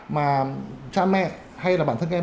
mà cha mẹ hay là bản thân em